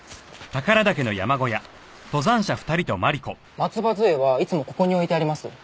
松葉杖はいつもここに置いてあります。